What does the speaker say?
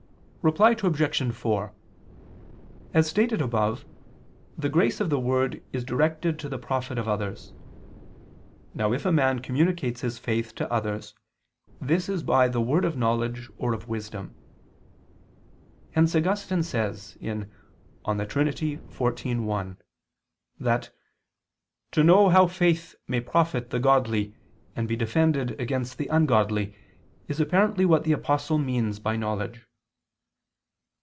Reply Obj. 4: As stated above, the grace of the word is directed to the profit of others. Now if a man communicates his faith to others this is by the word of knowledge or of wisdom. Hence Augustine says (De Trin. xiv, 1) that "to know how faith may profit the godly and be defended against the ungodly, is apparently what the Apostle means by knowledge."